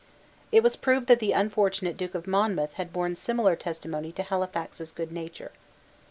It was proved that the unfortunate Duke of Monmouth had borne similar testimony to Halifax's good nature.